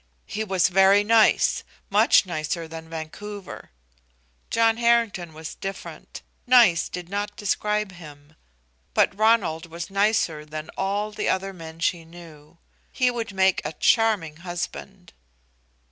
He was very nice; much nicer than Vancouver. John Harrington was different, "nice" did not describe him; but Ronald was nicer than all the other men she knew. He would make a charming husband.